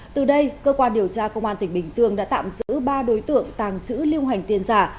từ đây cơ quan điều tra công an tỉnh bình dương đã tạm giữ ba đối tượng tàng trữ lưu hành tiền giả